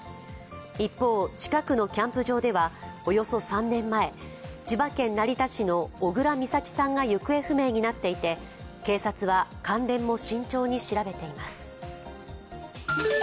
一方、近くのキャンプ場ではおよそ３年前千葉県成田市の小倉美咲さんが行方不明になっていて警察は関連も慎重に調べています。